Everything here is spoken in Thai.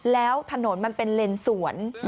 แล้วถนนมันเป็นเลนสวน